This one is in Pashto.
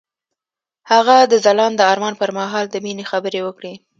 هغه د ځلانده آرمان پر مهال د مینې خبرې وکړې.